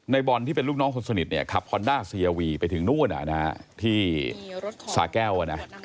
บอลที่เป็นลูกน้องคนสนิทเนี่ยขับฮอนด้าเซียวีไปถึงนู่นที่สาแก้ว